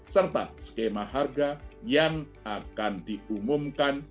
serta skema harga yang akan diumumkan